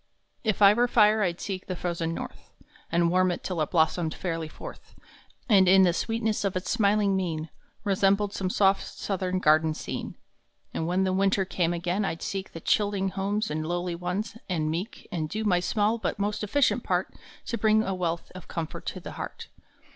IF I were fire I d seek the frozen North And warm it till it blossomed fairly forth And in the sweetness of its smiling mien Resembled some soft southern garden scene. And when the winter came again I d seek The chilling homes of lowly ones and meek And do my small but most efficient part To bring a wealth of comfort to the heart.